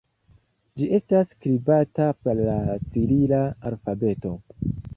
Ĝi estas skribata per la cirila alfabeto.